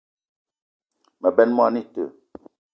Me benn moni ite